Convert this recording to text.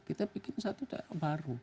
kita bikin satu daerah baru